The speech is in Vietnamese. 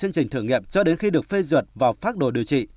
trong chương trình thử nghiệm cho đến khi được phê ruột và phát đồ điều trị